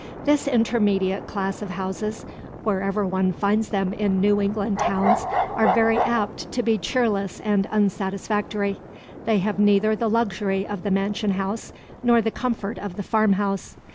This intermediate class of houses, wherever one finds them in New England towns, are very apt to be cheerless and unsatisfactory. They have neither the luxury of the mansion house nor the comfort of the farm house.